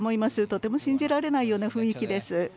とても信じられないような雰囲気です。